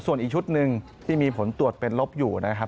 ส่วนอีกชุดหนึ่งที่มีผลตรวจเป็นลบอยู่นะครับ